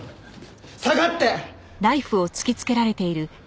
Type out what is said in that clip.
下がって！